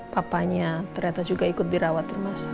papanya ternyata juga ikut dirawat rumah sakit